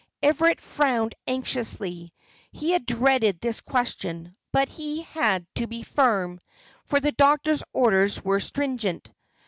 Everard frowned anxiously; he had dreaded this question, but he had to be firm, for the doctor's orders were stringent.